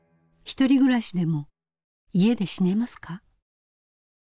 ひとり暮らしでも家で死ねますか？